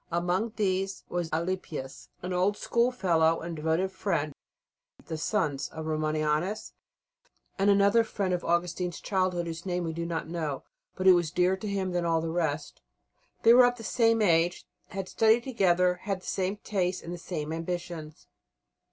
Amongst these was Alypius, an old schoolfellow and a devoted friend; the sons of Romanianus; and another friend of Augustine's childhood whose name we do not know, but who was dearer to him than all the rest. They were of the same age, had studied together, had the same tastes, and the same ambitions.